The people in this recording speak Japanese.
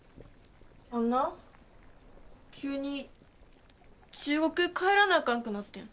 あんな急に中国帰らなあかんくなってん。